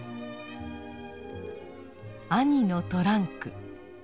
「兄のトランク」。